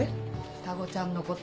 双子ちゃんのこと。